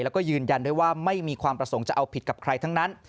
แล้วก็ยืนยันด้วยว่าไม่มีความประสงค์จะเอาผิดกับใครทั้งนั้น